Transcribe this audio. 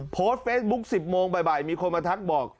โพสต์เฟซบุ๊ก๑๐โมงบ่ายมีคนมาทักบอก